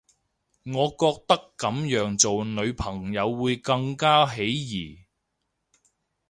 我覺得噉樣做女朋友會更加起疑